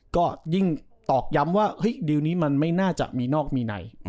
ก็ยิ่งตอกย้ำว่าเฮ้ยดีลนี้มันไม่น่าจะมีนอกมีใน